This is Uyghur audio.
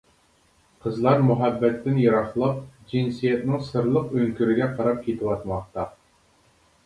قىزلار مۇھەببەتتىن يىراقلاپ جىنسىيەتنىڭ سىرلىق ئۆڭكۈرىگە قاراپ كېتىۋاتماقتا.